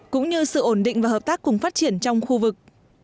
cũng như sự ổn định và hợp tác cùng phát triển trong khu vực